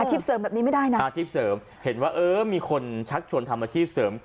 เสริมแบบนี้ไม่ได้นะอาชีพเสริมเห็นว่าเออมีคนชักชวนทำอาชีพเสริม